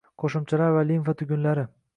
Qo'shimchalar va limfa tugunlari;